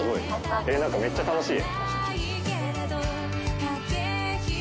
えっ何かめっちゃ楽しい。